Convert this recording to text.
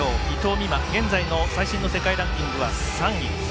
伊藤美誠、現在の最新の世界ランキングは３位。